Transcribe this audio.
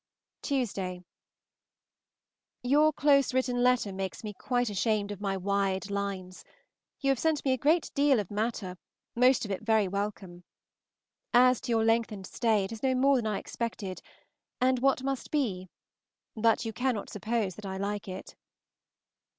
Tuesday. Your close written letter makes me quite ashamed of my wide lines; you have sent me a great deal of matter, most of it very welcome. As to your lengthened stay, it is no more than I expected, and what must be, but you cannot suppose I like it.